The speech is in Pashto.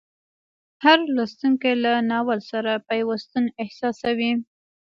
هر لوستونکی له ناول سره پیوستون احساسوي.